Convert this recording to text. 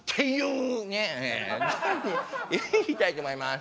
いきたいと思います。